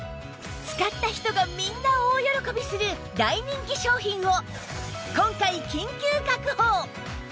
使った人がみんな大喜びする大人気商品を今回緊急確保！